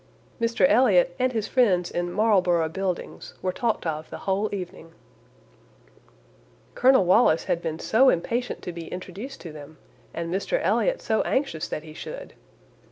Mr Elliot, and his friends in Marlborough Buildings, were talked of the whole evening. "Colonel Wallis had been so impatient to be introduced to them! and Mr Elliot so anxious that he should!"